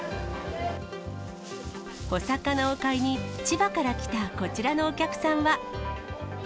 お魚を買いに、千葉から来たこちらのお客さんは。